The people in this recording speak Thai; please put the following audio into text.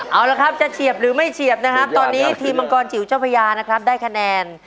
เอาละครับจะเฉียบหรือไม่เฉียบนะครับตอนนี้ทีมมังกรจิ๋วเจ้าพญานะครับได้คะแนน